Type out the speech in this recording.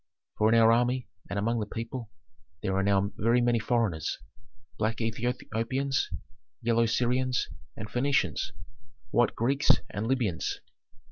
For in our army and among the people there are now very many foreigners: black Ethiopians, yellow Syrians and Phœnicians, white Greeks and Libyans."